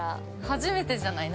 ◆初めてじゃない？